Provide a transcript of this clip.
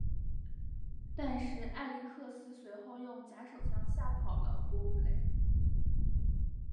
但是艾力克斯随后用假手枪吓跑了伯普雷。